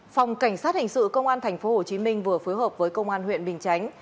phòng cảnh sát hình sự công an tp hcm vừa phối hợp với công an huyện bình chánh